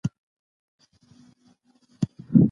سرلوړی دې وي افغان ملت.